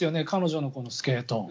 彼女のスケート。